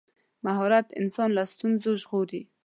مهارت انسان له ستونزو ژغوري.